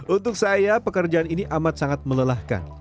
untuk saya pekerjaan ini amat sangat melelahkan